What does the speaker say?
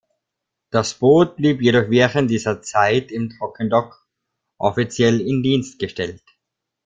Das Boot blieb jedoch während dieser Zeit im Trockendock offiziell in Dienst gestellt.